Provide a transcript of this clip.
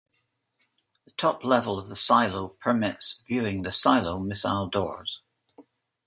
The top level of the silo permits viewing the silo missile doors.